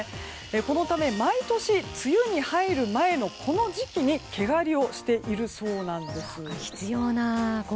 このため毎年梅雨に入る前の、この時期に毛刈りをしているそうなんです。